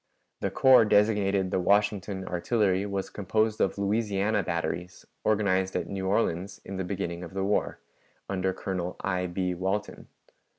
The corps designated the Washington Artillery was composed of Louisiana batteries, organized at New Orleans in the beginning of the war, under Colonel I. B. Walton.